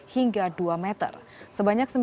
hingga dua meter sebanyak